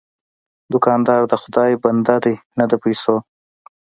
دوکاندار د خدای بنده دی، نه د پیسو.